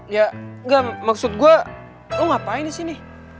ya enggak maksud gue lo ngapain disini